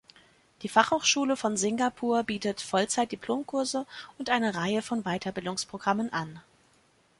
Die Fachhochschule von Singapur bietet Vollzeitdiplomkurse und eine Reihe von Weiterbildungsprogrammen an.